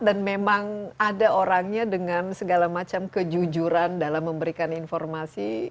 dan memang ada orangnya dengan segala macam kejujuran dalam memberikan informasi